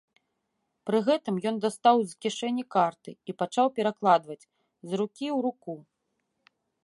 Пры гэтым ён дастаў з кішэні карты і пачаў перакладваць з рукі ў руку.